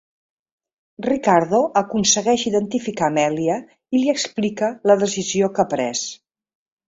Riccardo aconsegueix identificar Amelia i li explica la decisió que ha pres.